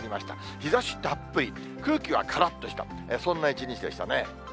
日ざしたっぷり、空気はからっとした、そんな一日でしたね。